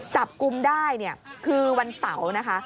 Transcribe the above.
จับกุมได้คือวันเสาร์นะคะ